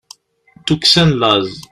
tukksa n laẓ